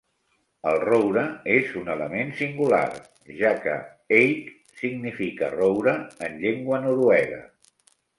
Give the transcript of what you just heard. El roure és un element singular, ja que "Eik" significa roure en llengua noruega.